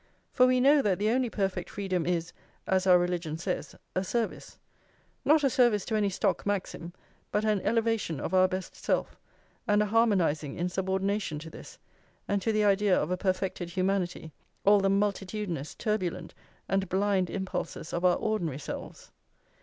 For we know that the only perfect freedom is, as our religion says, a service; not a service to any stock maxim, but an elevation of our best self, and a harmonising in subordination to this, and to the idea of a perfected humanity, all the multitudinous, turbulent, and blind impulses of our ordinary selves.